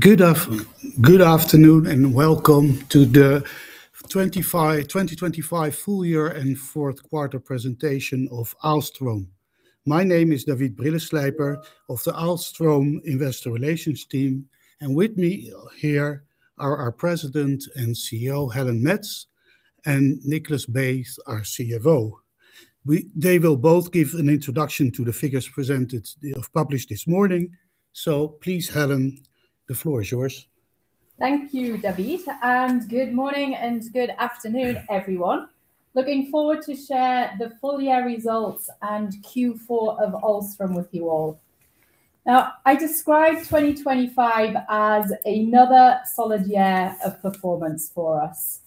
Good afternoon, and welcome to the 2025 full year and fourth quarter presentation of Ahlstrom. My name is David Brilleslijper of the Ahlstrom Investor Relations team, and with me here are our President and CEO, Helen Mets, and Niklas Beyes, our CFO. They will both give an introduction to the figures presented, published this morning. Please, Helen, the floor is yours. Thank you, David. Good morning and good afternoon, everyone. Looking forward to share the full year results and Q4 of Ahlstrom with you all. I describe 2025 as another solid year of performance for us.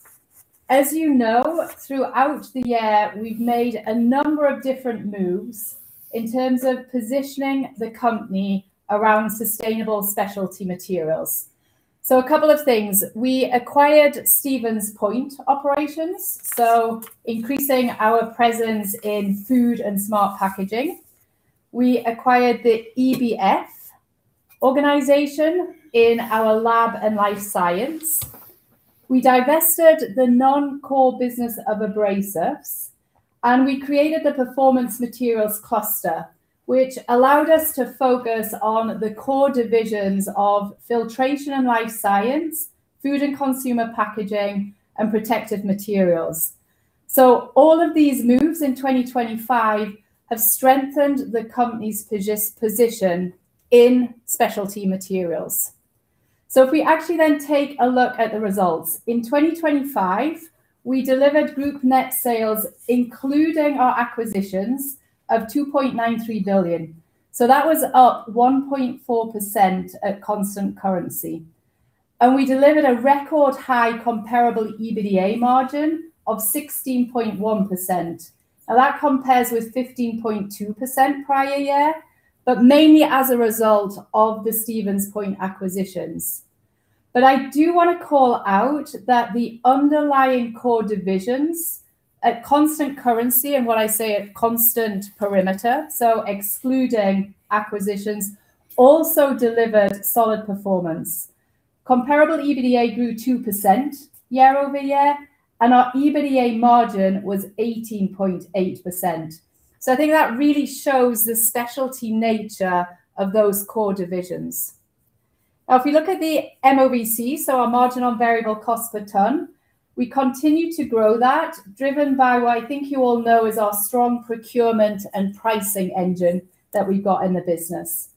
As you know, throughout the year, we've made a number of different moves in terms of positioning the company around sustainable specialty materials. A couple of things: We acquired Stevens Point operations, so increasing our presence in food and smart packaging. We acquired the EBF organization in our lab and life science. We divested the non-core business of Abrasives, and we created the Performance Materials cluster, which allowed us to focus on the core divisions of Filtration and Life Sciences, Food and Consumer Packaging, and Protective Materials. All of these moves in 2025 have strengthened the company's position in specialty materials. If we actually take a look at the results. In 2025, we delivered group net sales, including our acquisitions of 2.93 billion. That was up 1.4% at constant currency, and we delivered a record high comparable EBITDA margin of 16.1%. Now, that compares with 15.2% prior year, but mainly as a result of the Stevens Point acquisitions. I do want to call out that the underlying core divisions at constant currency, and what I say at constant perimeter, so excluding acquisitions, also delivered solid performance. Comparable EBITDA grew 2% year-over-year, and our EBITDA margin was 18.8%. I think that really shows the specialty nature of those core divisions. If you look at the MOVC, so our margin on variable cost per ton, we continue to grow that, driven by what I think you all know is our strong procurement and pricing engine that we've got in the business.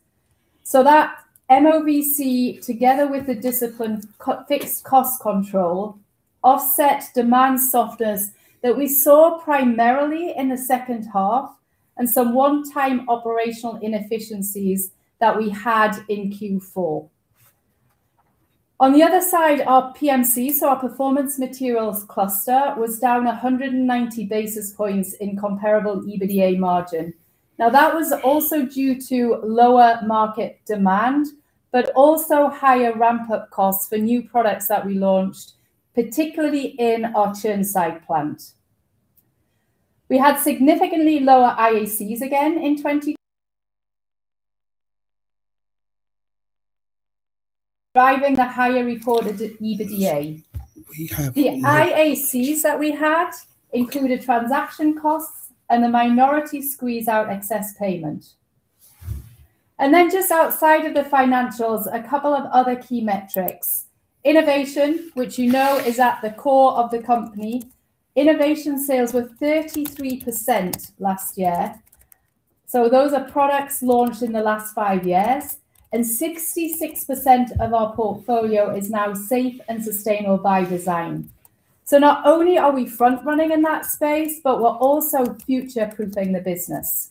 That MOVC, together with the disciplined fixed cost control, offset demand softness that we saw primarily in the second half and some one-time operational inefficiencies that we had in Q4. On the other side, our PMC, so our Performance Materials cluster, was down 190 basis points in comparable EBITDA margin. That was also due to lower market demand, but also higher ramp-up costs for new products that we launched, particularly in our Chirnside plant. We had significantly lower IACs again driving the higher reported EBITDA. We have- The IACs that we had included transaction costs and the minority squeeze-out excess payment. Just outside of the financials, a couple of other key metrics. Innovation, which you know is at the core of the company. Innovation sales were 33% last year. Those are products launched in the last five years, and 66% of our portfolio is now Safe and Sustainable by Design. Not only are we front-running in that space, but we're also future-proofing the business.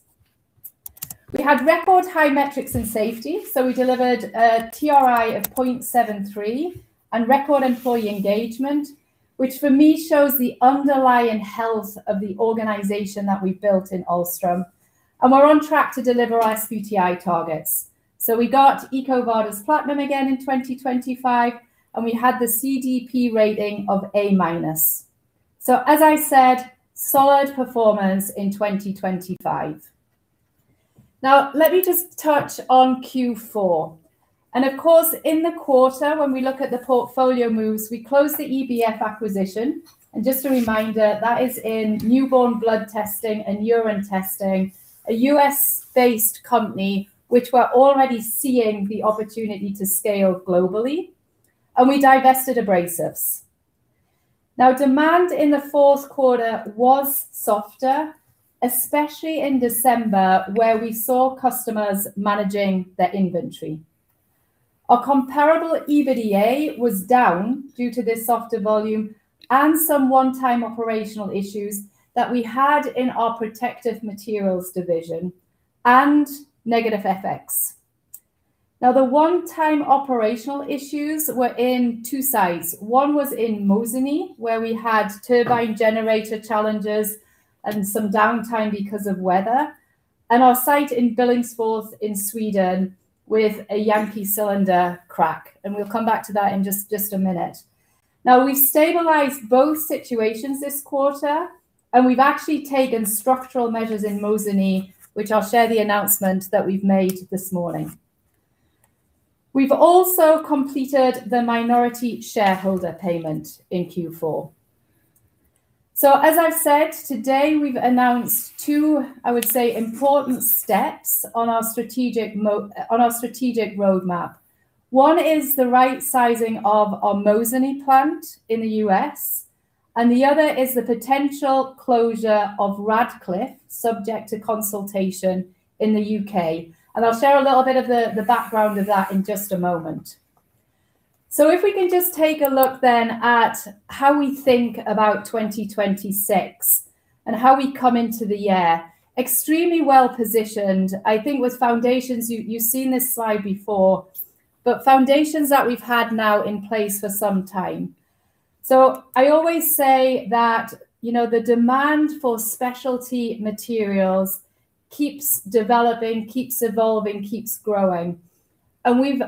We had record high metrics in safety, we delivered a TRI of 0.73 and record employee engagement, which for me, shows the underlying health of the organization that we've built in Ahlstrom, and we're on track to deliver our SBTI targets. We got EcoVadis Platinum again in 2025, and we had the CDP rating of A-. As I said, solid performance in 2025. Let me just touch on Q4. Of course, in the quarter, when we look at the portfolio moves, we closed the EBF acquisition. Just a reminder, that is in newborn blood testing and urine testing, a U.S. based company, which we're already seeing the opportunity to scale globally, and we divested Abrasives. Demand in the fourth quarter was softer, especially in December, where we saw customers managing their inventory. Our comparable EBITDA was down due to this softer volume and some one-time operational issues that we had in our Protective Materials division and negative FX. The one-time operational issues were in two sites. One was in Mosinee, where we had turbine generator challenges and some downtime because of weather. We'll come back to that in just a minute. We stabilized both situations this quarter, and we've actually taken structural measures in Mosinee, which I'll share the announcement that we've made this morning. We've also completed the minority shareholder payment in Q4. As I've said, today, we've announced two, I would say, important steps on our strategic roadmap. One is the right sizing of our Mosinee plant in the U.S., and the other is the potential closure of Radcliffe, subject to consultation in the U.K.. I'll share a little bit of the background of that in just a moment. If we can just take a look then at how we think about 2026 and how we come into the year. Extremely well-positioned, I think, with foundations, you've seen this slide before, but foundations that we've had now in place for some time. I always say that, you know, the demand for specialty materials keeps developing, keeps evolving, keeps growing, and we've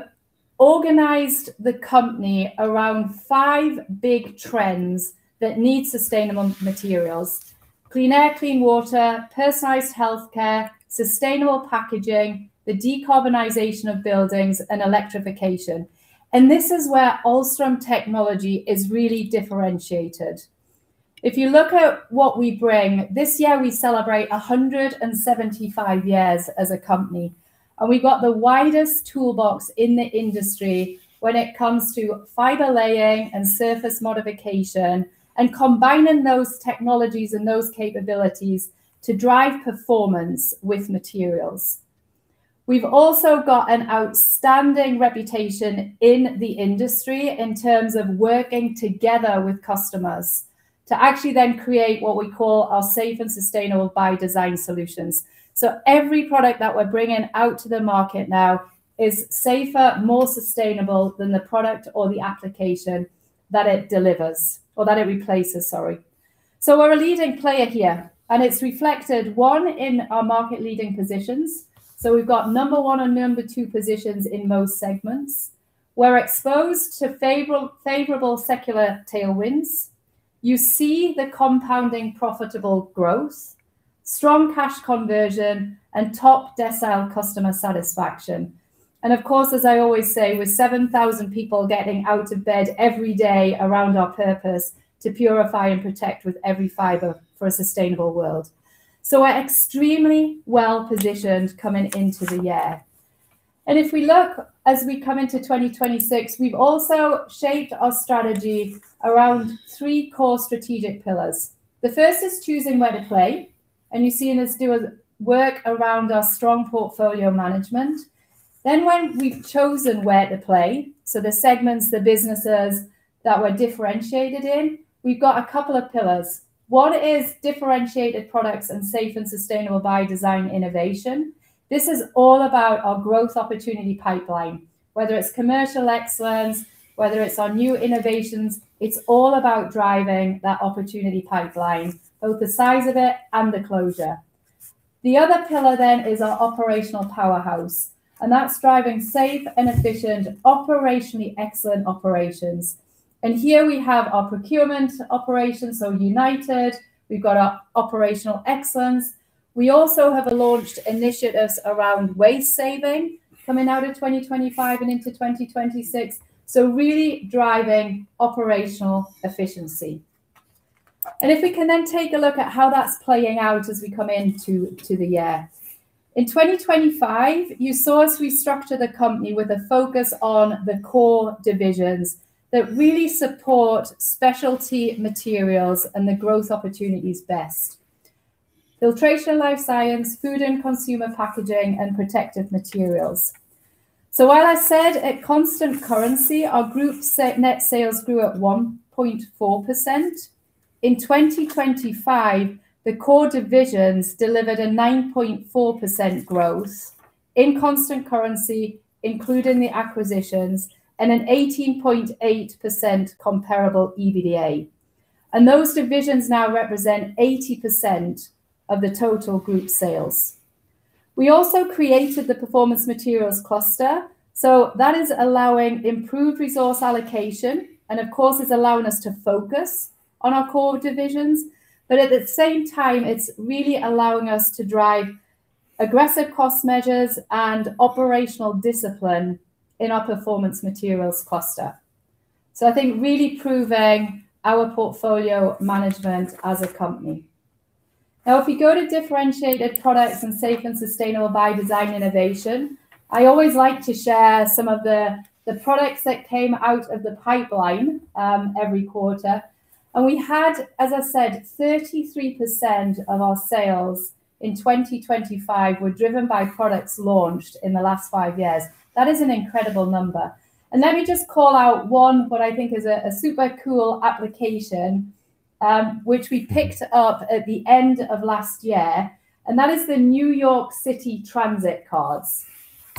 organized the company around five big trends that need sustainable materials: clean air, clean water, personalized healthcare, sustainable packaging, the decarbonization of buildings, and electrification. This is where Ahlstrom technology is really differentiated. If you look at what we bring, this year we celebrate 175 years as a company, and we've got the widest toolbox in the industry when it comes to fiber laying and surface modification, and combining those technologies and those capabilities to drive performance with materials. We've also got an outstanding reputation in the industry in terms of working together with customers to actually then create what we call our Safe and Sustainable by Design solutions. Every product that we're bringing out to the market now is safer, more sustainable than the product or the application that it delivers or that it replaces, sorry. We're a leading player here, and it's reflected, one, in our market-leading positions. We've got number one and number two positions in most segments. We're exposed to favorable secular tailwinds. You see the compounding profitable growth, strong cash conversion, and top-decile customer satisfaction. Of course, as I always say, with 7,000 people getting out of bed every day around our purpose, to purify and protect with every fiber for a sustainable world. We're extremely well-positioned coming into the year. If we look as we come into 2026, we've also shaped our strategy around three core strategic pillars. The first is choosing where to play, and you're seeing us do a work around our strong portfolio management. When we've chosen where to play, so the segments, the businesses that we're differentiated in, we've got a couple of pillars. One is differentiated products and Safe and Sustainable by Design innovation. This is all about our growth opportunity pipeline, whether it's commercial excellence, whether it's our new innovations, it's all about driving that opportunity pipeline, both the size of it and the closure. The other pillar then is our operational powerhouse, and that's driving safe and efficient, operationally excellent operations. Here we have our procurement operations, so united, we've got our operational excellence. We also have launched initiatives around waste saving coming out of 2025 and into 2026, so really driving operational efficiency. If we can take a look at how that's playing out as we come into the year. In 2025, you saw us restructure the company with a focus on the core divisions that really support specialty materials and the growth opportunities best: Filtration and Life Sciences, Food and Consumer Packaging, and Protective Materials. While I said at constant currency, our group's net sales grew at 1.4%. In 2025, the core divisions delivered a 9.4% growth in constant currency, including the acquisitions, and an 18.8% comparable EBITDA. Those divisions now represent 80% of the total group sales. We also created the Performance Materials cluster, so that is allowing improved resource allocation, and of course, it's allowing us to focus on our core divisions. At the same time, it's really allowing us to drive aggressive cost measures and operational discipline in our Performance Materials cluster. I think really proving our portfolio management as a company. Now, if we go to differentiated products and Safe and Sustainable by Design innovation, I always like to share some of the products that came out of the pipeline every quarter. We had, as I said, 33% of our sales in 2025 were driven by products launched in the last five years. That is an incredible number. Let me just call out one, what I think is a super cool application, which we picked up at the end of last year, and that is the New York City transit cards.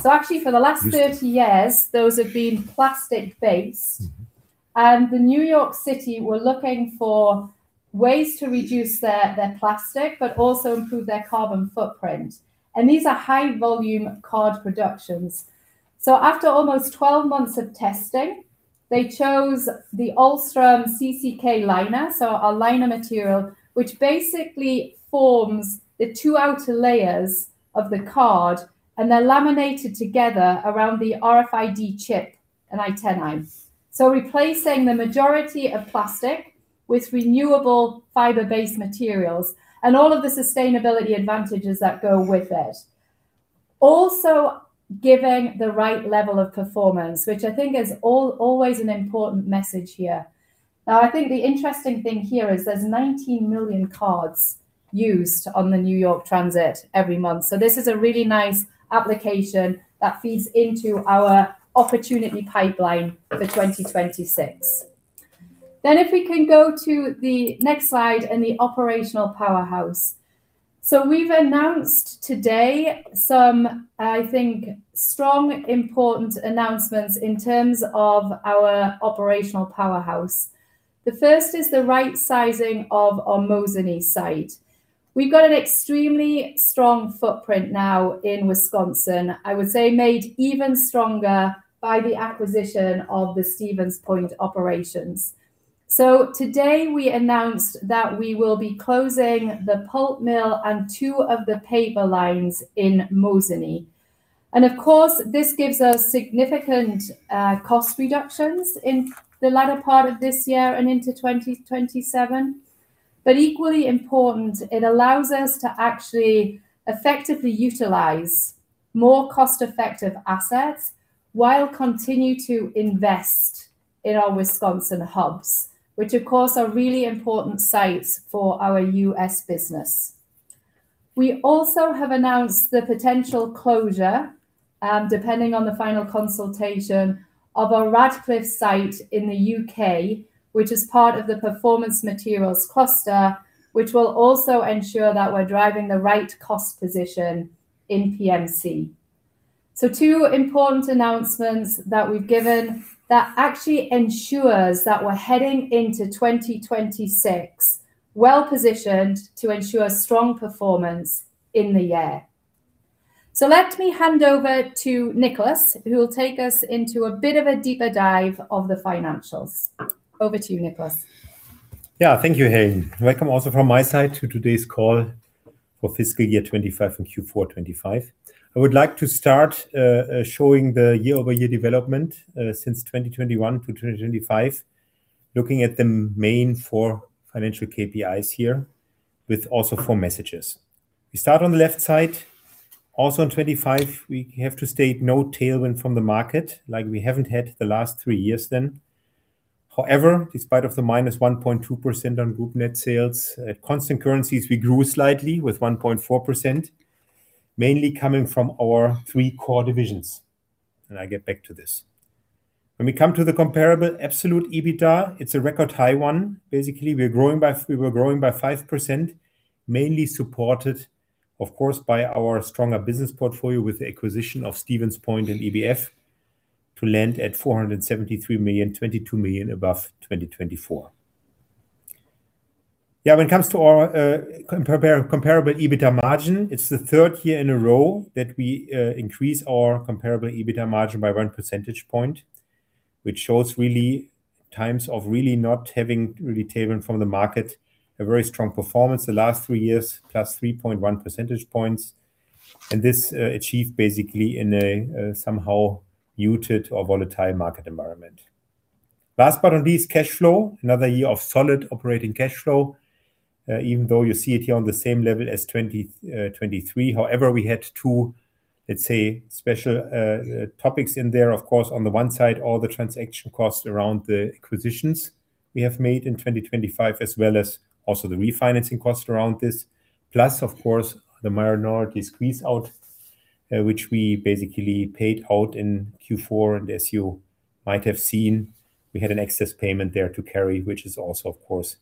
Actually, for the last 30 years, those have been plastic-based, and the New York City were looking for ways to reduce their plastic, but also improve their carbon footprint. These are high-volume card productions. After almost 12 months of testing, they chose the Ahlstrom CCK liner, so a liner material, which basically forms the two outer layers of the card, and they're laminated together around the RFID chip and antenna. Replacing the majority of plastic with renewable fiber-based materials and all of the sustainability advantages that go with it. Also, giving the right level of performance, which I think is always an important message here. I think the interesting thing here is there's 19 million cards used on the New York City transit every month. This is a really nice application that feeds into our opportunity pipeline for 2026. If we can go to the next slide and the operational powerhouse. We've announced today some, I think, strong, important announcements in terms of our operational powerhouse. The first is the right sizing of our Mosinee site. We've got an extremely strong footprint now in Wisconsin, I would say, made even stronger by the acquisition of the Stevens Point operations. Today we announced that we will be closing the pulp mill and two of the paper lines in Mosinee. Of course, this gives us significant cost reductions in the latter part of this year and into 2027. Equally important, it allows us to actually effectively utilize more cost-effective assets while continue to invest in our Wisconsin hubs, which, of course, are really important sites for our U.S. business. We also have announced the potential closure, depending on the final consultation, of our Radcliffe site in the U.K., which is part of the Performance Materials cluster, which will also ensure that we're driving the right cost position in PMC. Two important announcements that we've given that actually ensures that we're heading into 2026, well-positioned to ensure strong performance in the year. Let me hand over to Niklas, who will take us into a bit of a deeper dive of the financials. Over to you, Niklas. Yeah, thank you, Helen. Welcome also from my side to today's call for fiscal year 2025 and Q4 2025. I would like to start showing the year-over-year development since 2021 to 2025, looking at the main four financial KPIs here, with also four messages. We start on the left side. In 2025, we have to state no tailwind from the market like we haven't had the last three years then. Despite of the -1.2% on group net sales, at constant currencies, we grew slightly with 1.4%, mainly coming from our three core divisions, and I get back to this. When we come to the comparable absolute EBITDA, it's a record high one. Basically, we were growing by 5%, mainly supported, of course, by our stronger business portfolio with the acquisition of Stevens Point and EBF to land at 473 million, 22 million above 2024. When it comes to our comparable EBITDA margin, it's the third year in a row that we increase our comparable EBITDA margin by 1 percentage point, which shows really times of really not having really tailwind from the market, a very strong performance the last three years, +3.1 percentage points, and this achieved basically in a somehow muted or volatile market environment. Last but not least, cash flow. Another year of solid operating cash flow, even though you see it here on the same level as 2023. However, we had two, let's say, special topics in there. Of course, on the one side, all the transaction costs around the acquisitions we have made in 2025, as well as also the refinancing costs around this. Plus, of course, the minority squeeze-out, which we basically paid out in Q4. As you might have seen, we had an excess payment there to carry, which is also, of course,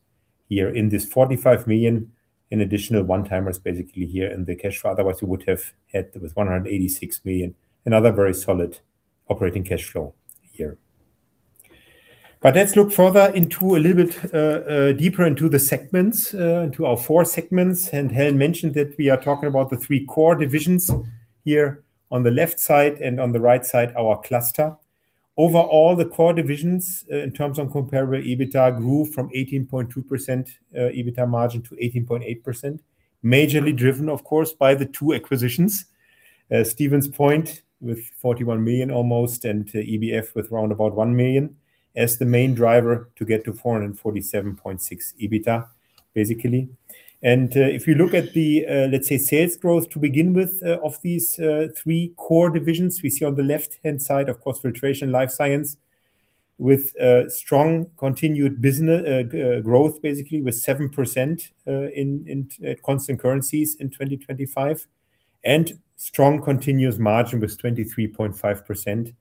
here in this 45 million. An additional one-timer is basically here in the cash flow. Otherwise, we would have had with 186 million, another very solid operating cash flow here. Let's look further into a little bit deeper into the segments, into our four segments. Helen mentioned that we are talking about the three core divisions here on the left side and on the right side, our cluster. Overall, the core divisions, in terms of comparable EBITDA, grew from 18.2% EBITDA margin to 18.8%, majorly driven, of course, by the two acquisitions, Stevens Point, with 41 million almost, and EBF with round about 1 million, as the main driver to get to 447.6 EBITDA, basically. If you look at the, let's say, sales growth to begin with, of these three core divisions, we see on the left-hand side, of course, Filtration Life Science, with strong continued business growth, basically with 7% in constant currencies in 2025, and strong continuous margin with 23.5%.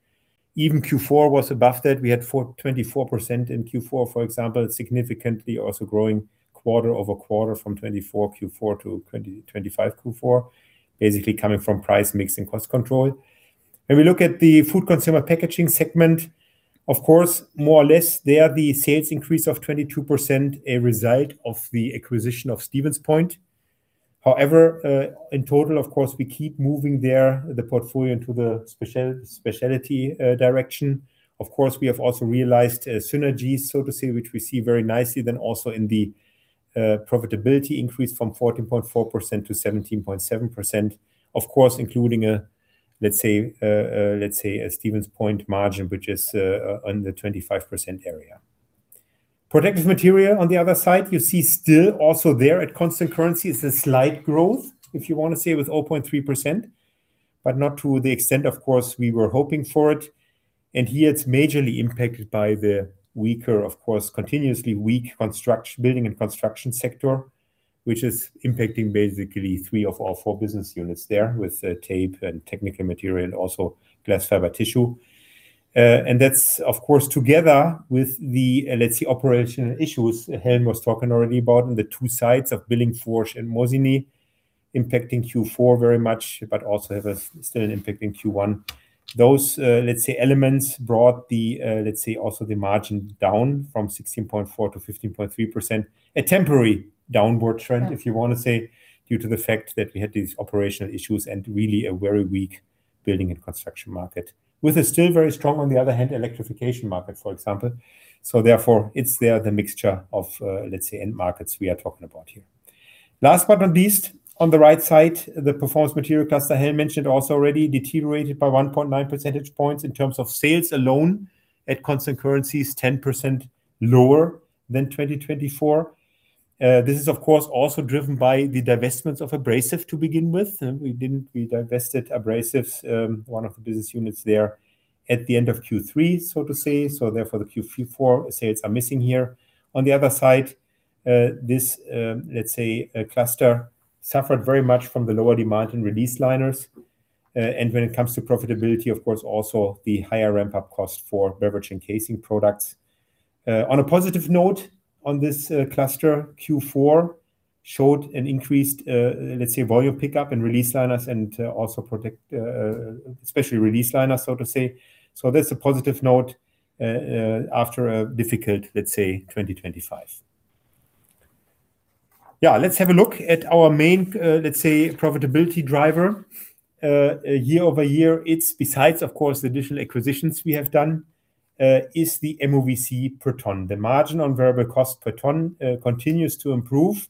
Even Q4 was above that. We had 24% in Q4, for example, significantly also growing quarter-over-quarter from 2024 Q4 to 2025 Q4, basically coming from price, mix, and cost control. When we look at the Food and Consumer Packaging segment, of course, more or less there the sales increase of 22%, a result of the acquisition of Stevens Point. However, in total, of course, we keep moving there, the portfolio into the specialty direction. Of course, we have also realized synergies, so to say, which we see very nicely then also in the profitability increase from 14.4% to 17.7%. Of course, including a, let's say, a Stevens Point margin, which is on the 25% area. Protective Materials on the other side, you see still also there at constant currency is a slight growth, if you want to say, with 0.3%, but not to the extent, of course, we were hoping for it. Here it's majorly impacted by the weaker, of course, continuously weak building and construction sector, which is impacting basically three of our four business units there with tape and Technical Materials and also glass fiber tissue. That's, of course, together with the, let's say, operational issues Helen Mets was talking already about in the two sides of Billingsfors and Mosinee impacting Q4 very much, but also have a still impacting Q1. Those, let's say, elements brought the, let's say, also the margin down from 16.4% to 15.3%. A temporary downward trend, if you want to say, due to the fact that we had these operational issues and really a very weak building and construction market, with a still very strong, on the other hand, electrification market, for example. Therefore, it's there, the mixture of, let's say, end markets we are talking about here. Last but not least, on the right side, the Performance Materials cluster Helm mentioned also already deteriorated by 1.9 percentage points in terms of sales alone at constant currencies, 10% lower than 2024. This is of course, also driven by the divestments of Abrasives to begin with, we divested Abrasives, one of the business units there at the end of Q3, so to say. Therefore, the Q4 sales are missing here. On the other side, this cluster suffered very much from the lower demand in Release Liners. When it comes to profitability, of course, also the higher ramp-up cost for Beverage & Casing products. On a positive note, on this cluster, Q4 showed an increased volume pickup in Release Liners and also protect, especially Release Liners, so to say. That's a positive note after a difficult 2025. Let's have a look at our main profitability driver. Year-over-year, it's besides, of course, the additional acquisitions we have done, is the MOVC per ton. The margin on variable cost per ton continues to improve,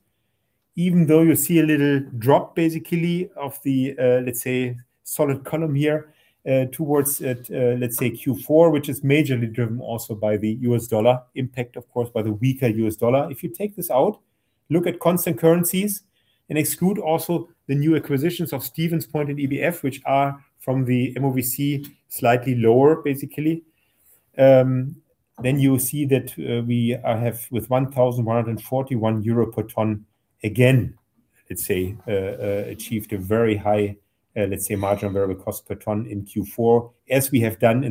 even though you see a little drop, basically, of the, let's say, solid column here, towards, let's say, Q4, which is majorly driven also by the U.S. dollar impact, of course, by the weaker U.S. dollar. If you take this out, look at constant currencies and exclude also the new acquisitions of Stevens Point and EBF, which are from the MOVC, slightly lower, basically. Then you see that we have with 1,141 euro per ton, again, let's say, achieved a very high, let's say, margin variable cost per ton in Q4, as we have done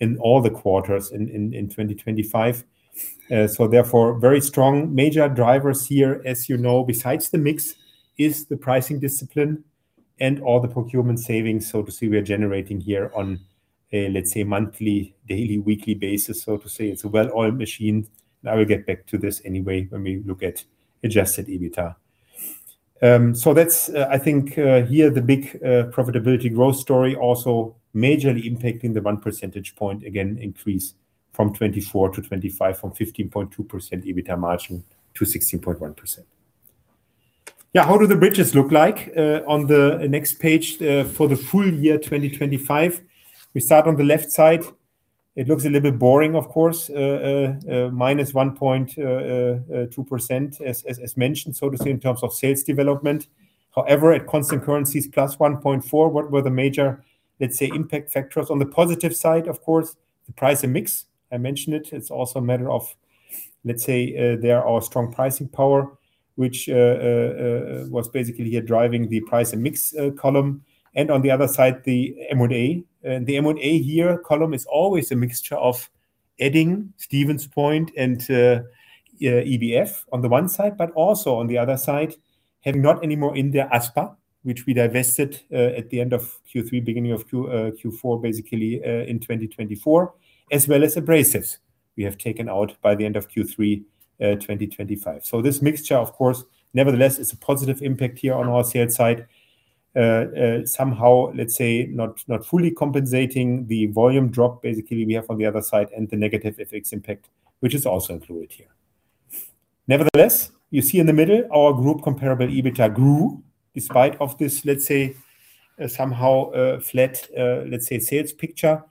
in all the quarters in 2025. Therefore, very strong major drivers here, as you know, besides the mix, is the pricing discipline and all the procurement savings, so to say, we are generating here on a, let's say, monthly, daily, weekly basis, so to say. It's a well-oiled machine. I will get back to this anyway when we look at adjusted EBITDA. That's, I think, here, the big profitability growth story also majorly impacting the 1 percentage point, again, increase from 2024 to 2025, from 15.2% EBITDA margin to 16.1%. How do the bridges look like? On the next page, for the full year 2025, we start on the left side. It looks a little bit boring, of course, -1.2%, as mentioned, so to say, in terms of sales development. However, at constant currencies, +1.4%, what were the major, let's say, impact factors? On the positive side, of course, the price and mix, I mentioned it. It's also a matter of, let's say, there are strong pricing power, which was basically here driving the price and mix column. On the other side, the M&A. The M&A here column is always a mixture of adding Stevens Point and EBF on the one side, but also on the other side, having not anymore in there Aspa, which we divested at the end of Q3, beginning of Q4, basically, in 2024, as well as Abrasives we have taken out by the end of Q3, 2025. This mixture, of course, nevertheless, it's a positive impact here on our sales side. Somehow, let's say, not fully compensating the volume drop, basically, we have on the other side and the negative FX impact, which is also included here. Nevertheless, you see in the middle, our group comparable EBITDA grew, despite of this, let's say, somehow flat, let's say, sales picture.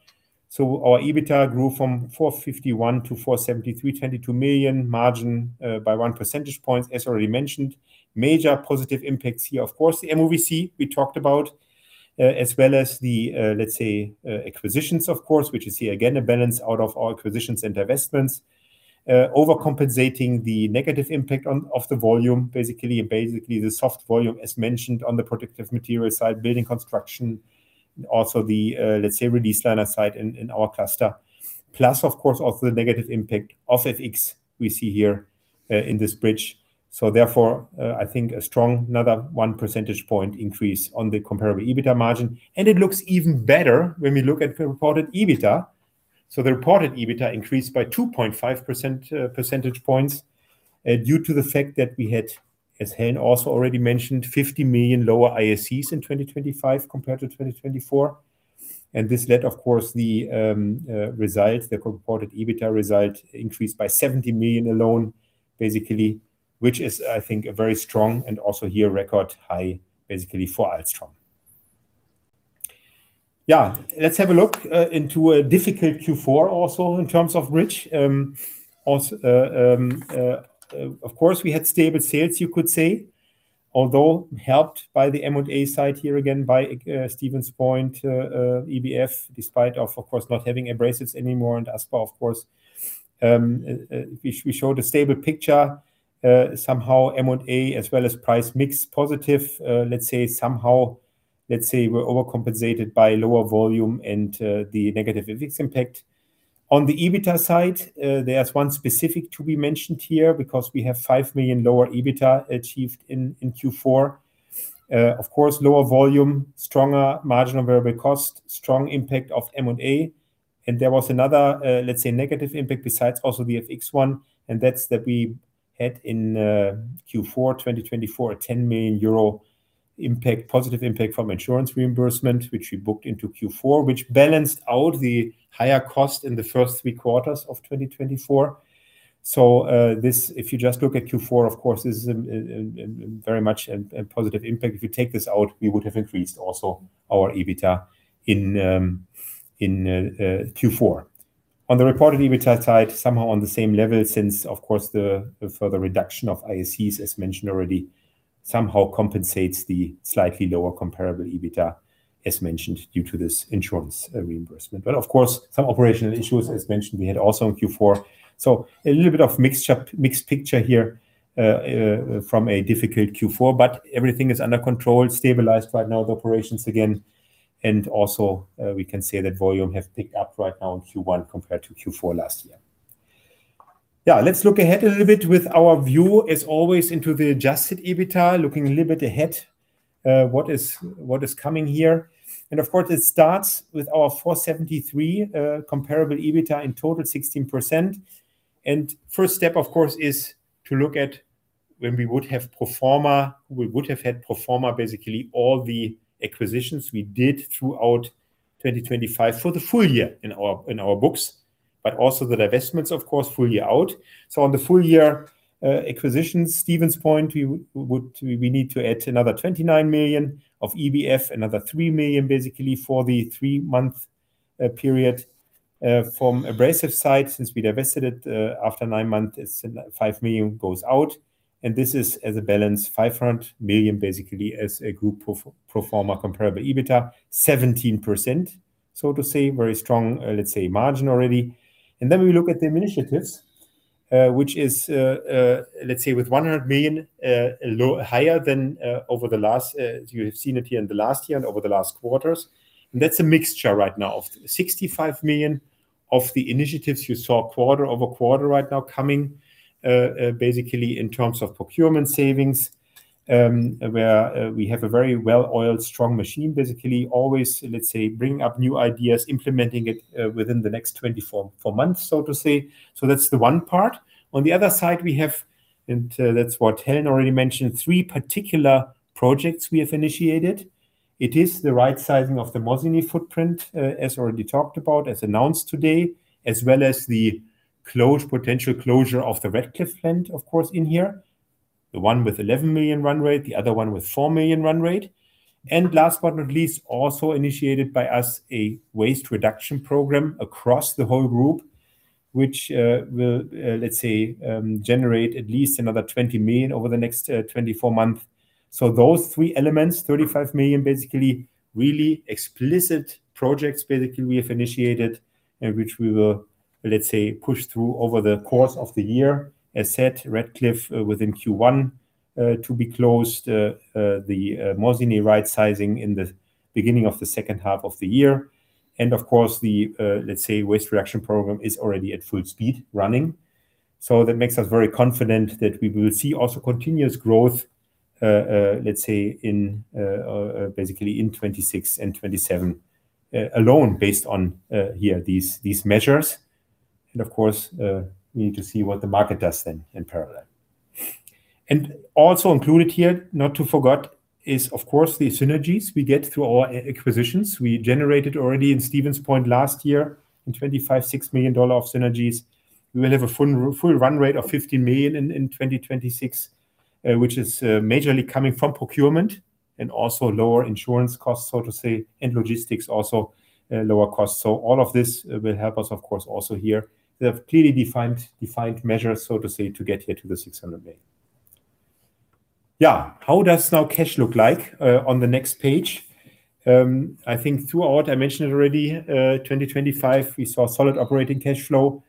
Our EBITDA grew from 451-473, 22 million margin, by one percentage point, as already mentioned. Major positive impacts here, of course, the MOVC we talked about, as well as the, let's say, acquisitions, of course, which is here again, a balance out of our acquisitions and divestments, overcompensating the negative impact of the volume, basically the soft volume, as mentioned, on the Protective Materials side, building construction, and also the, let's say, Release Liners side in our cluster. Of course, also the negative impact of FX we see here, in this bridge. Therefore, I think a strong another one percentage point increase on the comparable EBITDA margin, and it looks even better when we look at the reported EBITDA. The reported EBITDA increased by 2.5 percentage points due to the fact that we had, as Helen also already mentioned, 50 million lower IACs in 2025 compared to 2024. This led, of course, the result, the reported EBITDA result increased by 70 million alone, basically, which is, I think, a very strong and also here record high, basically for Ahlstrom. Yeah. Let's have a look into a difficult Q4 also in terms of rich. Also, of course, we had stable sales, you could say, although helped by the M&A side here again by Stevens Point, EBF, despite of course, not having Abrasives anymore and as far, of course, we showed a stable picture, somehow M&A as well as price mix positive. let's say we're overcompensated by lower volume and the negative FX impact. On the EBITDA side, there's one specific to be mentioned here, because we have 5 million lower EBITDA achieved in Q4. Of course, lower volume, stronger marginal variable cost, strong impact of M&A, and there was another, let's say, negative impact besides also the FX one, and that's that we had in Q4 2024, a 10 million euro impact, positive impact from insurance reimbursement, which we booked into Q4, which balanced out the higher cost in the first three quarters of 2024. This, if you just look at Q4, of course, this is very much a positive impact. If you take this out, we would have increased also our EBITDA in Q4. On the reported EBITDA side, somehow on the same level, since, of course, the further reduction of IACs, as mentioned already, somehow compensates the slightly lower comparable EBITDA, as mentioned, due to this insurance reimbursement. Of course, some operational issues, as mentioned, we had also in Q4. A little bit of mixture, mixed picture here, from a difficult Q4, but everything is under control, stabilized right now, the operations again. Also, we can say that volume have picked up right now in Q1 compared to Q4 last year. Yeah, let's look ahead a little bit with our view, as always, into the Adjusted EBITDA, looking a little bit ahead, what is coming here. Of course, it starts with our 473 comparable EBITDA, in total 16%. First step, of course, is to look at when we would have pro forma, we would have had pro forma, basically all the acquisitions we did throughout 2025 for the full year in our, in our books, but also the divestments, of course, full year out. On the full year, acquisitions, Stevens Point, we need to add another 29 million of EBF, another 3 million, basically for the three month period. From Abrasives side, since we divested it, after nine months, it's 5 million goes out, and this is as a balance, 500 million, basically as a group pro forma comparable EBITDA, 17%, so to say, very strong, let's say, margin already. Then we look at the initiatives, which is, let's say with 100 million, low, higher than, over the last, you have seen it here in the last year and over the last quarters. That's a mixture right now of 65 million of the initiatives you saw quarter-over-quarter right now coming, basically in terms of procurement savings, where we have a very well-oiled, strong machine, basically, always, let's say, bringing up new ideas, implementing it within the next 24, four months, so to say. That's the one part. On the other side, we have, and that's what Hen already mentioned, three particular projects we have initiated. It is the right sizing of the Mosinee footprint, as already talked about, as announced today, as well as the close, potential closure of the Radcliffe plant, of course, in here, the one with 11 million run rate, the other one with 4 million run rate. Last but not least, also initiated by us, a waste reduction program across the whole group, which will, let's say, generate at least another 20 million over the next 24 months. Those three elements, 35 million, basically, really explicit projects, we have initiated, and which we will, let's say, push through over the course of the year. As said, Radcliffe, within Q1, to be closed, the Mosinee right sizing in the beginning of the second half of the year. Of course, the, let's say, waste reduction program is already at full speed running. That makes us very confident that we will see also continuous growth, let's say in, basically in 2026 and 2027, alone, based on, yeah, these measures. Of course, we need to see what the market does then in parallel. Also included here, not to forgot, is of course, the synergies we get through our acquisitions. We generated already in Stevens Point last year, in 2025, $6 million of synergies. We will have a full run rate of $50 million in 2026, which is, majorly coming from procurement and also lower insurance costs, so to say, and logistics also, lower costs. All of this will help us, of course, also here. We have clearly defined measures, so to say, to get here to the 600 million. Yeah. How does now cash look like on the next page? I think throughout, I mentioned it already, 2025, we saw solid operating cash flow,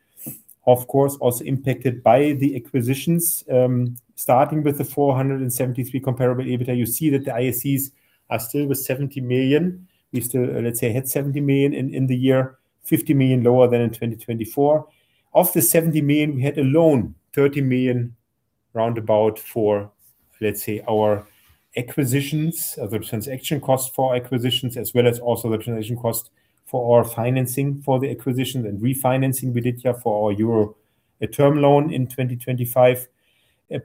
of course, also impacted by the acquisitions. Starting with the 473 comparable EBITDA, you see that the IACs are still with 70 million. We still, let's say, hit 70 million in the year, 50 million lower than in 2024. Of the 70 million, we had a loan, 30 million roundabout for, let's say, our acquisitions, the transaction costs for acquisitions, as well as also the transaction cost for our financing for the acquisition and refinancing we did here for our Euro Term Loan in 2025.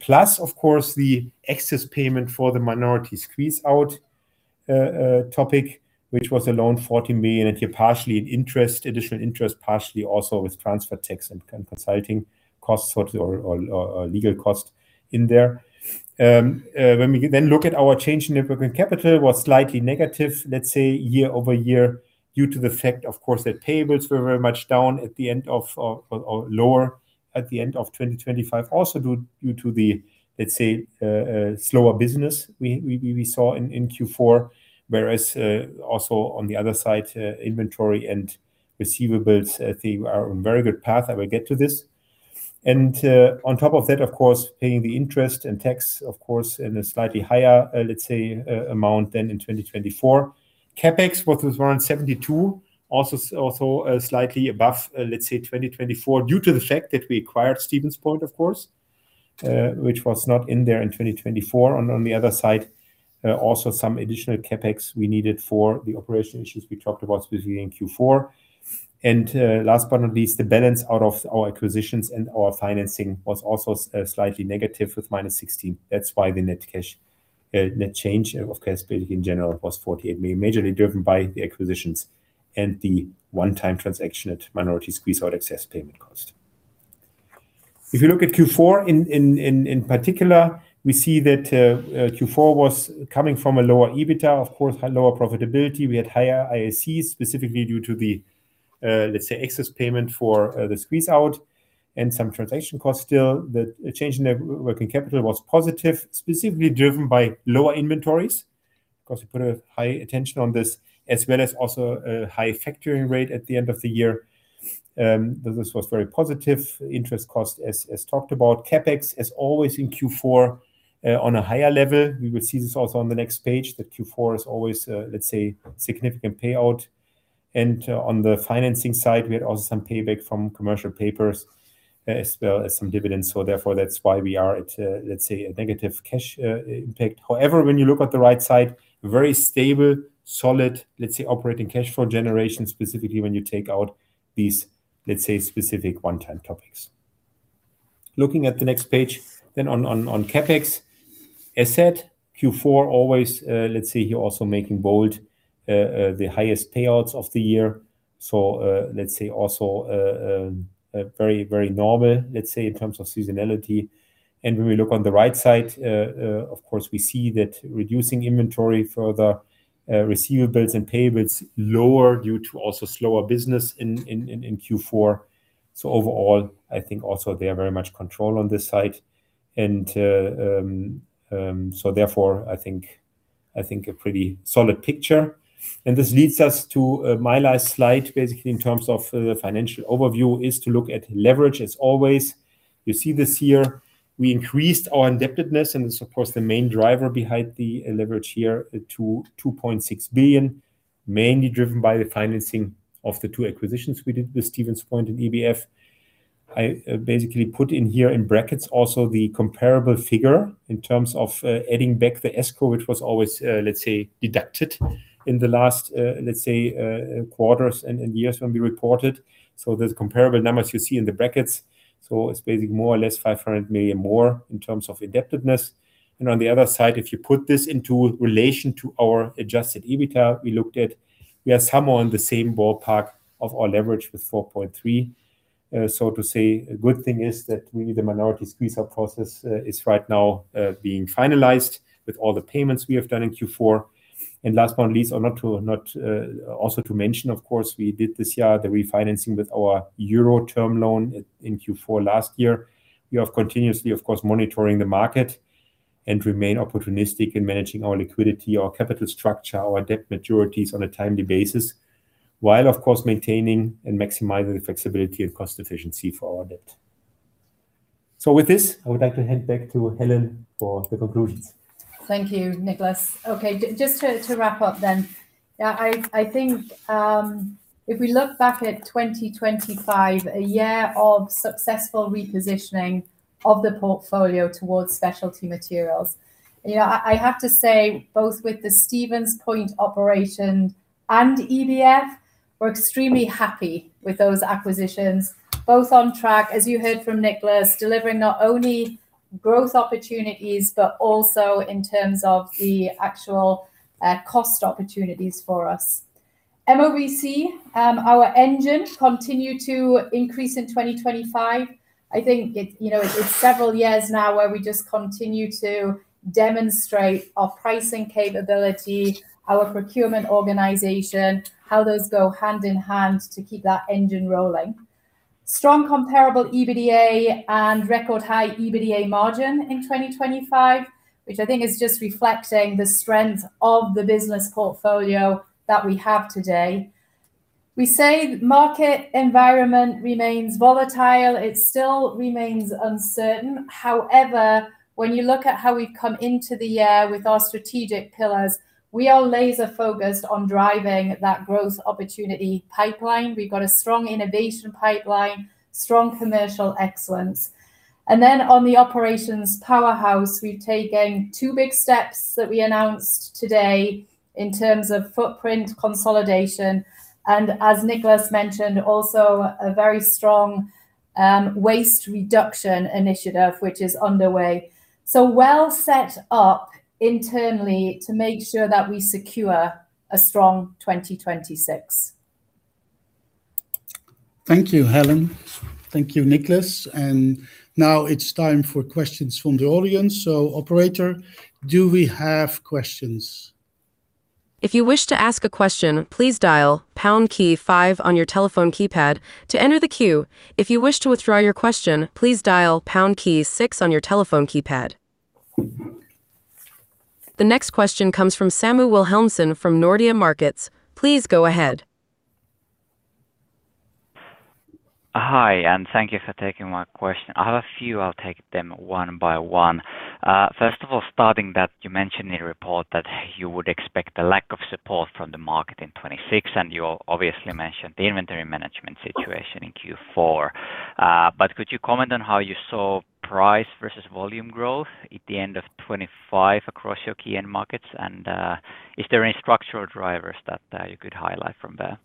Plus, of course, the excess payment for the minority squeeze-out topic, which was a loan, 40 million, and here partially in interest, additional interest, partially also with transfer tax and consulting costs or legal costs in there. When we then look at our change in operating capital was slightly negative, let's say, year-over-year, due to the fact, of course, that payables were very much down at the end of or lower at the end of 2025. Also, due to the, let's say, slower business we saw in Q4, whereas, also on the other side, inventory and receivables, they are on very good path. I will get to this. On top of that, of course, paying the interest and tax, of course, in a slightly higher, let's say, amount than in 2024. CapEx, which was around 72, also slightly above, let's say, 2024, due to the fact that we acquired Stevens Point, of course, which was not in there in 2024. On the other side, also some additional CapEx we needed for the operation issues we talked about, specifically in Q4. Last but not least, the balance out of our acquisitions and our financing was also slightly negative, with -16. The net cash, net change of cash basically in general was 48 million, majorly driven by the acquisitions and the one-time transaction at minority squeeze-out excess payment cost. If you look at Q4 in particular, we see that Q4 was coming from a lower EBITDA, of course, lower profitability. We had higher IAC, specifically due to the, let's say, excess payment for the squeeze-out and some transaction costs still. The change in the working capital was positive, specifically driven by lower inventories, 'cause we put a high attention on this, as well as also a high factoring rate at the end of the year. This was very positive. Interest cost, as talked about. CapEx, as always in Q4, on a higher level. We will see this also on the next page, that Q4 is always, let's say, significant payout. On the financing side, we had also some payback from Commercial Papers, as well as some dividends. Therefore, that's why we are at, let's say, a negative cash impact. However, when you look at the right side, very stable, solid, let's say, operating cash flow generation, specifically when you take out these, let's say, specific one-time topics. Looking at the next page, on CapEx, as said, Q4 always, let's say, here also making bold the highest payouts of the year. Let's say also, very normal, let's say, in terms of seasonality. When we look on the right side, of course, we see that reducing inventory further, receivables and payables lower due to also slower business in Q4. Overall, I think also they are very much controlled on this side, and therefore, I think a pretty solid picture. This leads us to my last slide, basically in terms of the financial overview, is to look at leverage. As always, you see this here, we increased our indebtedness, and this, of course, the main driver behind the leverage here to 2.6 billion, mainly driven by the financing of the two acquisitions we did with Stevens Point and EBF. I basically put in here in brackets also the comparable figure in terms of adding back the escrow, which was always, let's say, deducted in the last, let's say, quarters and years when we reported. There's comparable numbers you see in the brackets. It's basically more or less 500 million more in terms of indebtedness. On the other side, if you put this into relation to our Adjusted EBITDA, we looked at, we are somehow on the same ballpark of our leverage with 4.3. So to say, a good thing is that we need the minority squeeze-out process is right now being finalized with all the payments we have done in Q4. Last but not least, or not to mention, of course, we did this year the refinancing with our Euro Term Loan in Q4 last year. We have continuously, of course, monitoring the market and remain opportunistic in managing our liquidity, our capital structure, our debt maturities on a timely basis, while of course maintaining and maximizing the flexibility and cost efficiency for our debt. With this, I would like to hand back to Helen for the conclusions. Thank you, Niklas. Just to wrap up then. I think, if we look back at 2025, a year of successful repositioning of the portfolio towards specialty materials, you know, I have to say, both with the Stevens Point operation and EBF, we're extremely happy with those acquisitions. Both on track, as you heard from Niklas, delivering not only growth opportunities, but also in terms of the actual cost opportunities for us. MOVC, our engine continued to increase in 2025. I think it, you know, it's several years now where we just continue to demonstrate our pricing capability, our procurement organization, how those go hand in hand to keep that engine rolling. Strong comparable EBITDA and record high EBITDA margin in 2025, which I think is just reflecting the strength of the business portfolio that we have today. We say market environment remains volatile. It still remains uncertain. However, when you look at how we've come into the year with our strategic pillars, we are laser focused on driving that growth opportunity pipeline. We've got a strong innovation pipeline, strong commercial excellence. Then on the operations powerhouse, we've taken two big steps that we announced today in terms of footprint consolidation, and as Niklas mentioned, also a very strong waste reduction initiative, which is underway. Well set up internally to make sure that we secure a strong 2026. Thank you, Helen. Thank you, Niklas. Now it's time for questions from the audience. Operator, do we have questions? If you wish to ask a question, please dial pound key five on your telephone keypad to enter the queue. If you wish to withdraw your question, please dial pound key six on your telephone keypad. The next question comes from Samu Wilhelmsson from Nordea Markets. Please go ahead. Hi, and thank you for taking my question. I have a few. I'll take them one by one. First of all, starting that you mentioned in the report that you would expect a lack of support from the market in 2026, and you obviously mentioned the inventory management situation in Q4. Could you comment on how you saw price versus volume growth at the end of 2025 across your key end markets? Is there any structural drivers that you could highlight from there?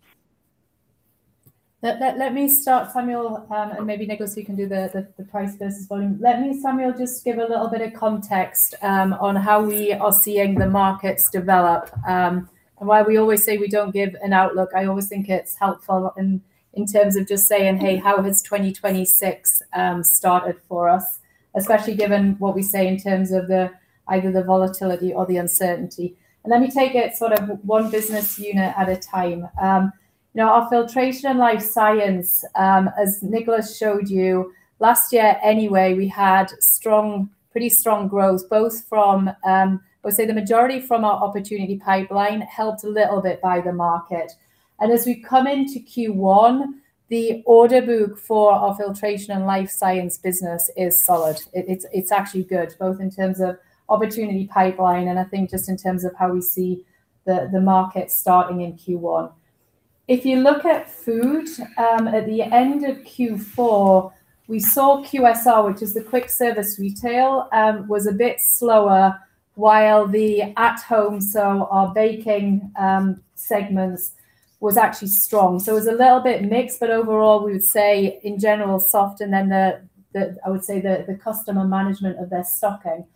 Let me start, Samu, maybe, Niklas, you can do the price versus volume. Let me, Samu, just give a little bit of context on how we are seeing the markets develop, and why we always say we don't give an outlook. I always think it's helpful in terms of just saying, "Hey, how has 2026 started for us?" Especially given what we say in terms of the either the volatility or the uncertainty. Let me take it sort of one business unit at a time. Now, our Filtration and Life Sciences, as Niklas showed you, last year anyway, we had strong, pretty strong growth, both from. Well, say, the majority from our opportunity pipeline, helped a little bit by the market. As we come into Q1, the order book for our Filtration and Life Sciences business is solid. It's actually good, both in terms of opportunity pipeline, and I think just in terms of how we see the market starting in Q1. If you look at food, at the end of Q4, we saw QSR, which is the quick service retail, was a bit slower, while the at-home, so our baking, segments, was actually strong. So it was a little bit mixed, but overall, we would say, in general, soft, and then the customer management of their stocking.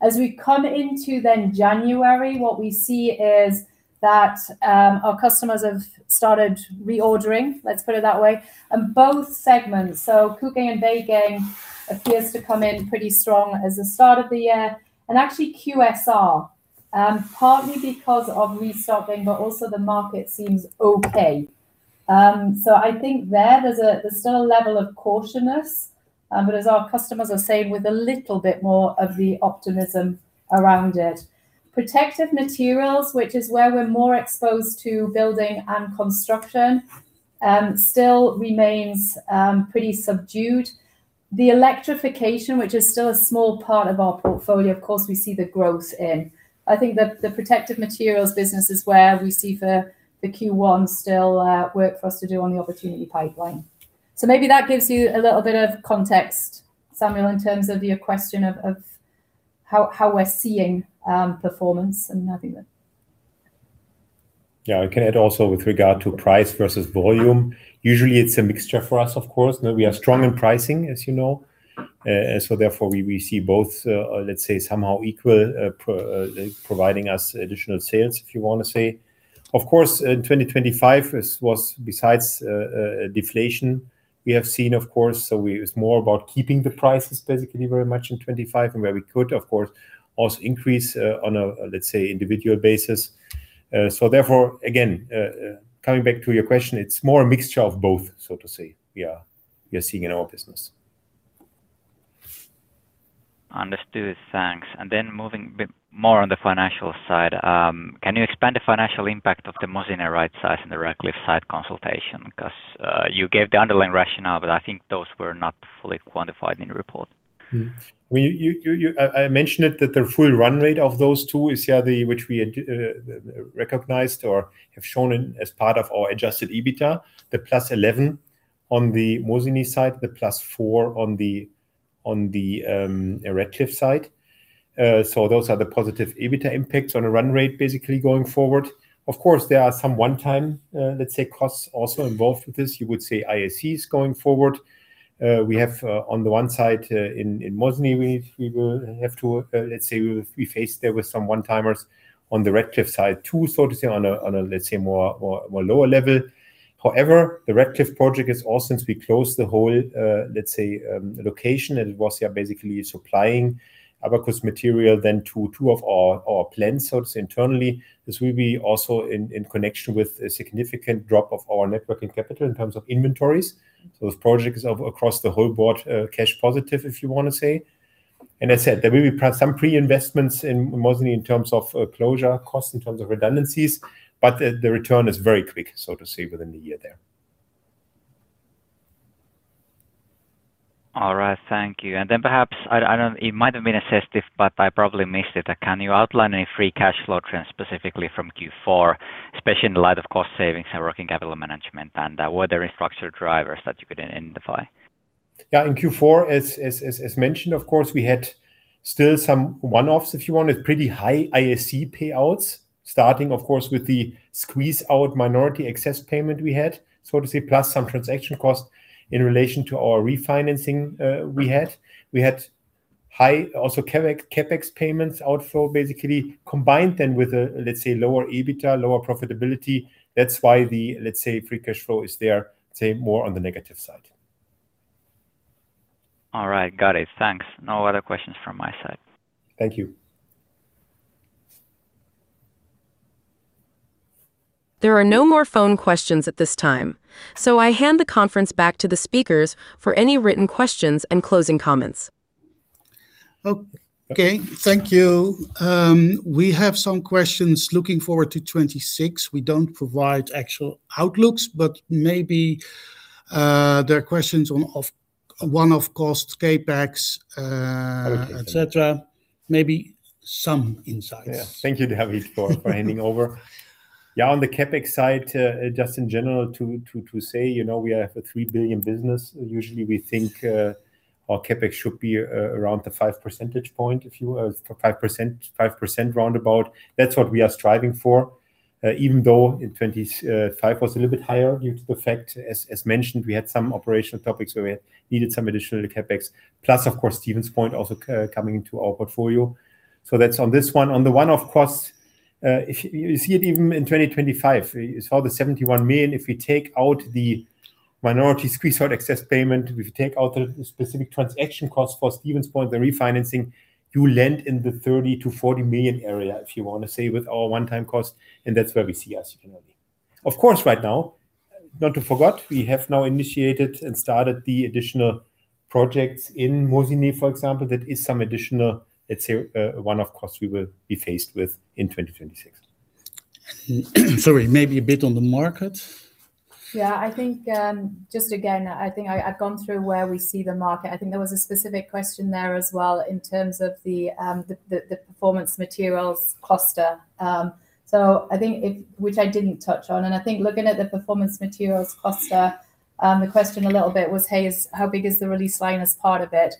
As we come into then January, what we see is that, our customers have started reordering, let's put it that way, both segments. Cooking and baking appears to come in pretty strong as the start of the year, and actually QSR, partly because of restocking, but also the market seems okay. I think there's still a level of cautiousness, but as our customers are saying, with a little bit more of the optimism around it. Protective Materials, which is where we're more exposed to building and construction, still remains pretty subdued. The electrification, which is still a small part of our portfolio, of course, we see the growth in. I think the Protective Materials business is where we see the Q1 still work for us to do on the opportunity pipeline. Maybe that gives you a little bit of context, Samu, in terms of your question of how we're seeing performance and having the. I can add also with regard to price versus volume. Usually, it's a mixture for us, of course. We are strong in pricing, as you know, therefore, we see both, let's say, somehow equal, providing us additional sales, if you want to say. In 2025 was besides deflation, we have seen, of course. It's more about keeping the prices basically very much in 2025, and where we could, of course, also increase, on a, let's say, individual basis. Therefore, again, coming back to your question, it's more a mixture of both, so to say, we are seeing in our business. Understood. Thanks. Moving bit more on the financial side, can you expand the financial impact of the Mosinee right size and the Radcliffe site consultation? You gave the underlying rationale, but I think those were not fully quantified in the report. I mentioned it, that the full run rate of those two is, which we had recognized or have shown in as part of our Adjusted EBITDA, the plus 11 on the Mosinee site, the plus 4 on the Radcliffe site. Those are the positive EBITDA impacts on a run rate, basically going forward. Of course, there are some one-time, let's say, costs also involved with this. You would say ISE is going forward. We have on the one side in Mosinee, we will have to, let's say we faced there with some one-timers on the Radcliffe side, too, so to say, on a, let's say, more lower level. The Radcliffe project is also since we closed the whole, let's say, location, and it was, yeah, basically supplying Abacus material then to two of our plants. To say internally, this will be also in connection with a significant drop of our net working capital in terms of inventories. Those projects are across the whole board, cash positive, if you want to say. I said, there will be some pre-investments in Mosinee in terms of closure costs, in terms of redundancies, but the return is very quick, so to say, within the year there. All right, thank you. Perhaps, it might have been assessed, but I probably missed it. Can you outline any free cash flow trends, specifically from Q4, especially in the light of cost savings and working capital management, and were there any structural drivers that you could identify? Yeah, in Q4, as mentioned, of course, we had still some one-offs, if you want, with pretty high ISC payouts, starting, of course, with the squeeze-out minority excess payment we had, so to say, plus some transaction costs in relation to our refinancing we had. We had high also CapEx payments outflow, basically, combined then with a, let's say, lower EBITDA, lower profitability. That's why the, let's say, free cash flow is there, say, more on the negative side. All right. Got it. Thanks. No other questions from my side. Thank you. There are no more phone questions at this time, so I hand the conference back to the speakers for any written questions and closing comments. Ok, thank you. We have some questions looking forward to 2026. We don't provide actual outlooks, but maybe there are questions on one-off costs, CapEx, et cetera. Maybe some insights. Thank you, David, for handing over. On the CapEx side, just in general to say, you know, we have a 3 billion business. Usually, we think our CapEx should be around the 5 percentage points, if you 5% roundabout. That's what we are striving for, even though in 2025 was a little bit higher due to the fact, as mentioned, we had some operational topics where we needed some additional CapEx. Plus, of course, Stevens Point also coming into our portfolio. That's on this one. On the one-off costs, if you see it even in 2025, you saw the 71 million. If we take out the minority squeeze-out excess payment, if you take out the specific transaction costs for Stevens Point, the refinancing, you land in the 30 million-40 million area, if you want to say, with our one-time cost, and that's where we see us generally. Of course, right now, not to forget, we have now initiated and started the additional projects in Mosinee, for example. That is some additional, let's say, one-off costs we will be faced with in 2026. Sorry, maybe a bit on the market. Yeah, I think. Just again, I've gone through where we see the market. I think there was a specific question there as well in terms of the Performance Materials cluster. I think which I didn't touch on, and I think looking at the Performance Materials cluster, the question a little bit was, "Hey, how big is the Release Liners part of it?"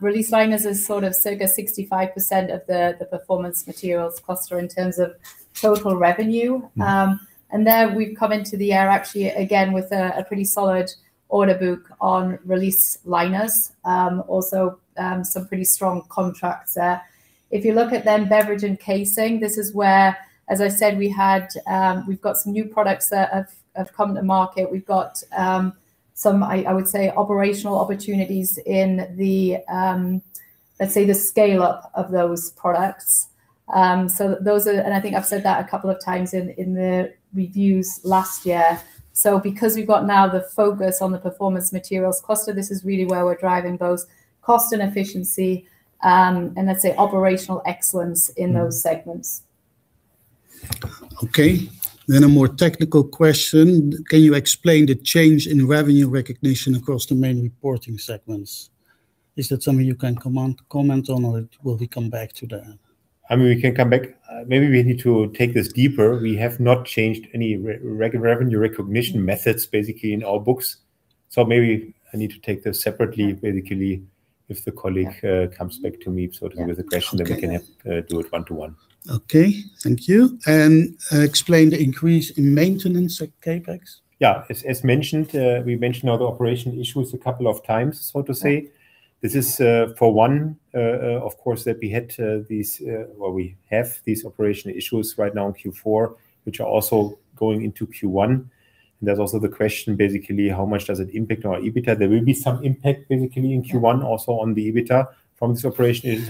Release Liners is sort of circa 65% of the Performance Materials cluster in terms of total revenue. Mm-hmm. There we've come into the year actually, again, with a pretty solid order book on Release Liners. Also, some pretty strong contracts there. If you look at Beverage & Casing, this is where, as I said, we've got some new products that have come to market. We've got some, I would say, operational opportunities in the, let's say, the scale-up of those products. So those are I think I've said that a couple of times in the reviews last year. Because we've got now the focus on the Performance Materials cluster, this is really where we're driving both cost and efficiency, and let's say, operational excellence in those segments. A more technical question: Can you explain the change in revenue recognition across the main reporting segments? Is that something you can comment on, or will we come back to that? I mean, we can come back. Maybe we need to take this deeper. We have not changed any revenue recognition methods, basically, in our books. Maybe I need to take this separately, basically, if the colleague comes back to me with the question, then we can do it one to one. Okay, thank you. Explain the increase in maintenance CapEx. As mentioned, we mentioned all the operational issues a couple of times, so to say. This is for one, of course, that we had these, well, we have these operational issues right now in Q4, which are also going into Q1. There's also the question, basically, how much does it impact our EBITDA? There will be some impact, basically, in Q1, also on the EBITDA from this operation.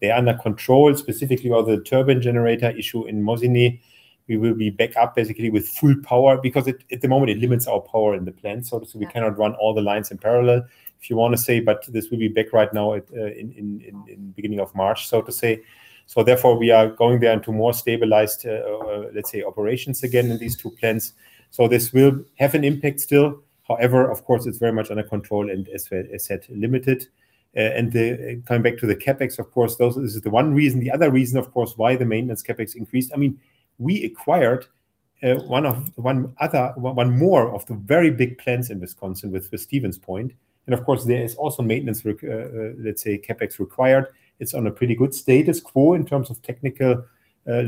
They are under control, specifically the turbine generator issue in Mosinee. We will be back up, basically, with full power, because at the moment, it limits our power in the plant, so to say, we cannot run all the lines in parallel, if you want to say, but this will be back right now in beginning of March, so to say. Therefore, we are going there into more stabilized operations again in these two plants. This will have an impact still. However, of course, it's very much under control, and as I said, limited. Coming back to the CapEx, of course, this is the one reason. The other reason, of course, why the maintenance CapEx increased, I mean, we acquired one more of the very big plants in Wisconsin with Stevens Point. Of course, there is also maintenance CapEx required. It's on a pretty good status quo in terms of technical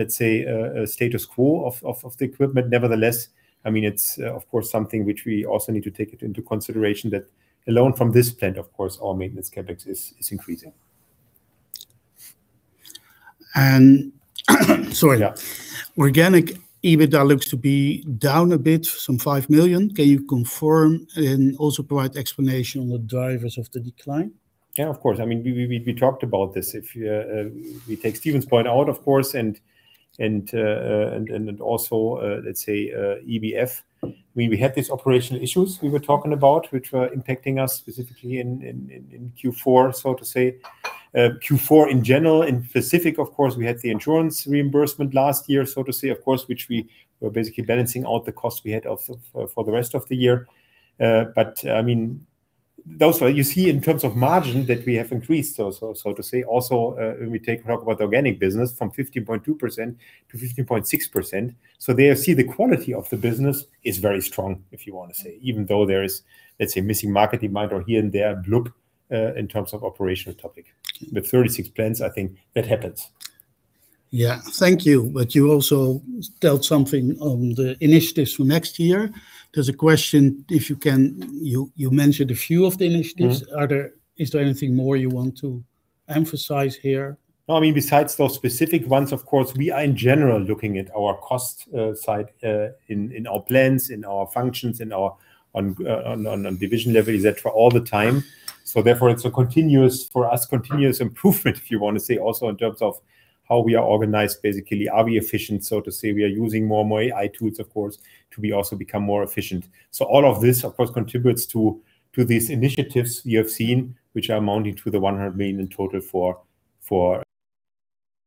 status quo of the equipment. Nevertheless, I mean, it's, of course, something which we also need to take it into consideration that alone from this plant, of course, our maintenance CapEx is increasing. Sorry. Yeah. Organic EBITDA looks to be down a bit, some 5 million. Can you confirm and also provide explanation on the drivers of the decline? Of course. I mean, we talked about this. If you, we take Stevens Point out, of course, and also, let's say, EBF, we had these operational issues we were talking about, which were impacting us specifically in Q4, so to say. Q4, in general, in specific, of course, we had the insurance reimbursement last year, so to say, of course, which we were basically balancing out the costs we had also for the rest of the year. I mean, those are, you see in terms of margin that we have increased, so to say. Also, when we talk about organic business from 15.2% to 15.6%. There see the quality of the business is very strong, if you want to say, even though there is, let's say, missing market demand or here and there blip, in terms of operational topic. With 36 plants, I think that happens. Yeah. Thank you. You also told something on the initiatives for next year. There's a question, if you mentioned a few of the initiatives. Mm-hmm. Is there anything more you want to emphasize here? Well, I mean, besides those specific ones, of course, we are in general looking at our cost side in our plants, in our functions, in our division level, et cetera, all the time. Therefore, it's a continuous, for us, continuous improvement, if you want to say, also in terms of how we are organized, basically. Are we efficient, so to say? We are using more and more AI tools, of course, to be also become more efficient. All of this, of course, contributes to these initiatives you have seen, which are amounting to 100 million in total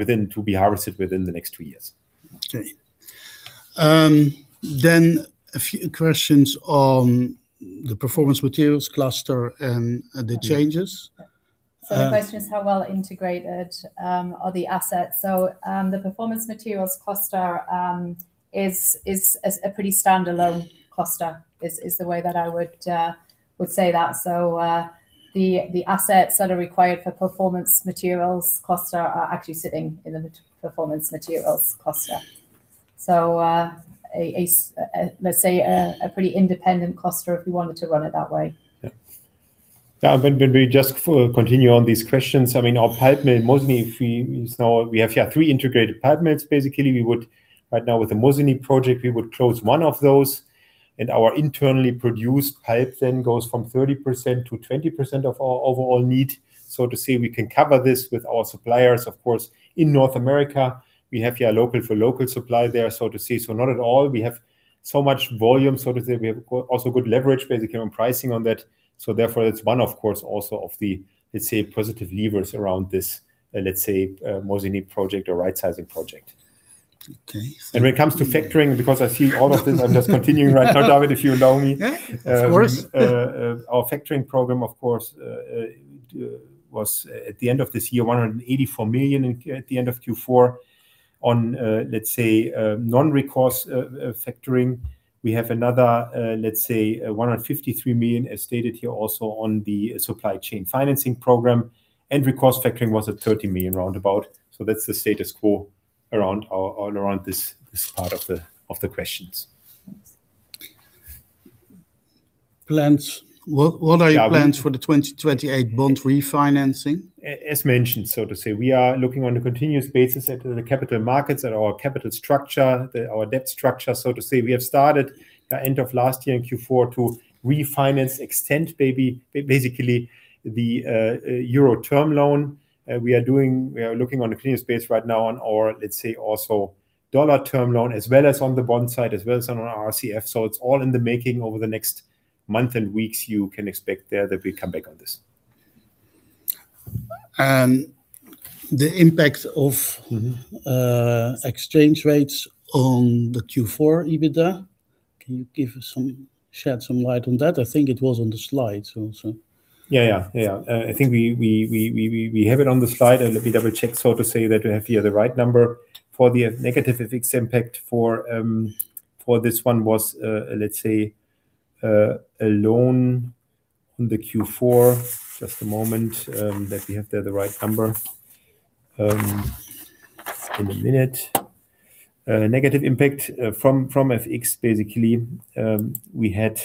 to be harvested within the next two years. Okay. A few questions on the Performance Materials cluster and the changes. The question is how well integrated are the assets? The Performance Materials cluster is a pretty standalone cluster, is the way that I would say that. The assets that are required for Performance Materials cluster are actually sitting in the Performance Materials cluster. A pretty independent cluster if we wanted to run it that way. Yeah. When, when we just continue on these questions, I mean, our pulp mill Mosinee, if we, is now we have here three integrated pulp mills. Basically, we would right now, with the Mosinee project, we would close one of those, and our internally produced pulp then goes from 30% to 20% of our overall need. To say we can cover this with our suppliers, of course, in North America, we have here a local for local supply there, so to say. Not at all, we have so much volume, so to say, we have a also good leverage basically on pricing on that. Therefore, it's one of course, also of the, let's say, positive levers around this, let's say, Mosinee project or rightsizing project. Okay. When it comes to factoring, I'm just continuing, right now, David, if you allow me. Yeah, of course. Our factoring program, of course, at the end of this year, 184 million at the end of Q4 on, let's say non-recourse factoring. We have another, let's say, 153 million, as stated here, also on the supply chain financing program, and recourse factoring was at 30 million roundabout. That's the status quo around all around this part of the questions. Plans. What are your plans? Yeah for the 2028 bond refinancing? As mentioned, so to say, we are looking on a continuous basis at the capital markets, at our capital structure, our debt structure, so to say. We have started end of last year in Q4 to refinance, extend maybe, basically, the Euro Term Loan. We are looking on a clear space right now on our, let's say, also Dollar Term Loan, as well as on the bond side, as well as on our RCF. It's all in the making over the next month and weeks, you can expect there that we come back on this. The impact of exchange rates on the Q4 EBITDA, can you shed some light on that? I think it was on the slide, so. Yeah, yeah. I think we have it on the slide. Let me double-check, so to say that we have here the right number. For the negative FX impact for this one was, let's say, a loan on the Q4. Just a moment, that we have there the right number. In a minute. Negative impact from FX, basically, we had,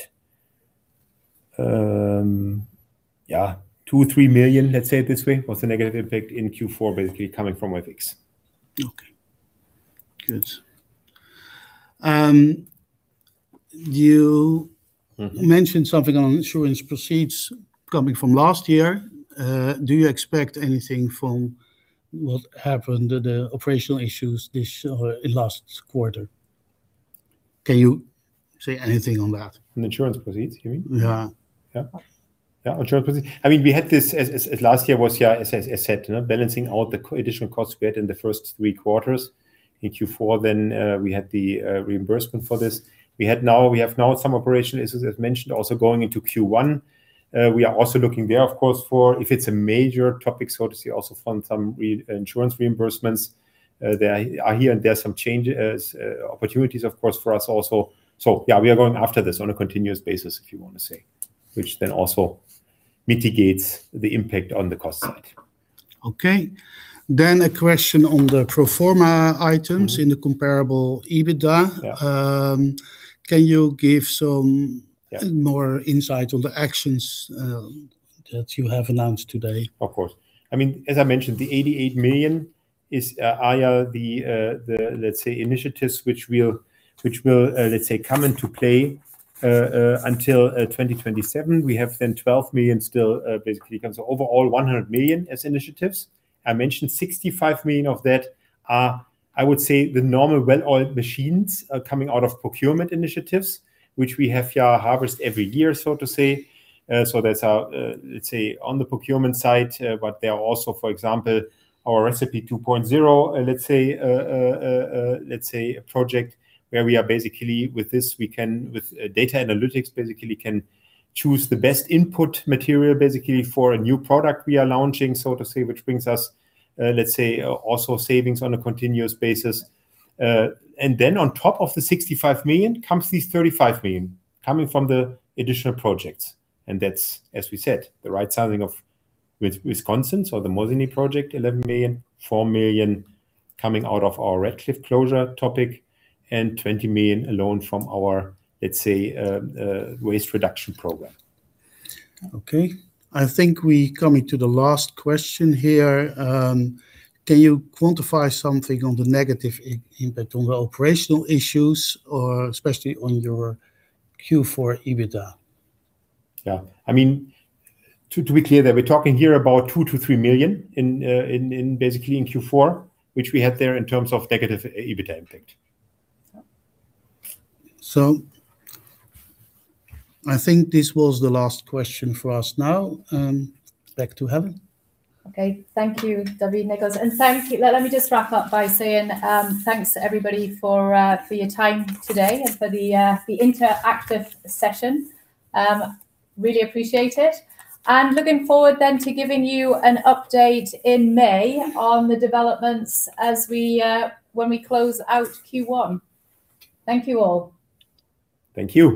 yeah, 2-3 million, let's say it this way, was a negative impact in Q4, basically coming from FX. Okay, good. Mm-hmm Mentioned something on insurance proceeds coming from last year. Do you expect anything from what happened to the operational issues this or last quarter? Can you say anything on that? On insurance proceeds, you mean? Yeah. Yeah, insurance proceeds. I mean, we had this as last year was, as I said, you know, balancing out the additional costs we had in the first three quarters. In Q4, we had the reimbursement for this. We have now some operational issues, as mentioned, also going into Q1. We are also looking there, of course, for if it's a major topic, so to say, also from some insurance reimbursements, that are here and there some changes, opportunities, of course, for us also. Yeah, we are going after this on a continuous basis, if you want to say, which then also mitigates the impact on the cost side. Okay. A question on the pro forma items. Mm-hmm in the comparable EBITDA. Yeah. can you give some- Yeah more insight on the actions that you have announced today? Of course. I mean, as I mentioned, the 88 million is via the initiatives which will come into play until 2027. We have 12 million still, basically, so overall 100 million as initiatives. I mentioned 65 million of that are, I would say, the normal well-oiled machines, coming out of procurement initiatives, which we have, yeah, harvest every year, so to say. So that's our on the procurement side. There are also, for example, our Recipe 2.0 project where we are basically with this. We can with data analytics, basically, can choose the best input material, basically, for a new product we are launching, so to say, which brings us, let's say, also savings on a continuous basis. On top of the 65 million comes these 35 million, coming from the additional projects, and that's, as we said, the right sizing of with Wisconsin, so the Mosinee project, 11 million, 4 million coming out of our Radcliffe closure topic, and 20 million alone from our, let's say, waste reduction program. Okay. I think we coming to the last question here. Can you quantify something on the negative impact on the operational issues, or especially on your Q4 EBITDA? I mean, to be clear there, we're talking here about 2 million-3 million in basically in Q4, which we had there in terms of negative EBITDA impact. I think this was the last question for us now. Back to Helen. Okay. Thank you, David, Niklas, and thank you. Let me just wrap up by saying thanks to everybody for your time today and for the interactive session. Really appreciate it. Looking forward to giving you an update in May on the developments as we when we close out Q1. Thank you, all. Thank you.